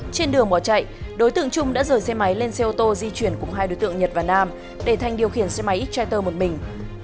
trên đường bỏ chạy đối tượng trung đã rời xe máy lên xe ô tô di chuyển cùng hai đối tượng nhật và nam để thanh điều khiển xe máy twiter một mình